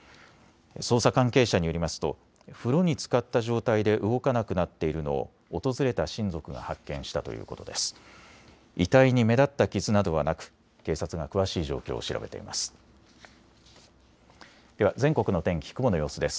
捜査関係者によりますと風呂につかった状態で動かなくなっているのを訪れた親族が発見したということです。